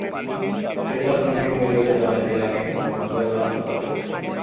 সে তার সঙ্গী মহিলাদের জানায় যে, আমি হামযার লাশ তালাশ করছি।